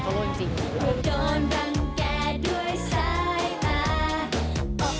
โดนรังแก่ด้วยสายปลา